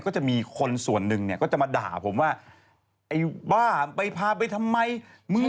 ที่พาลูกไปหาหมอ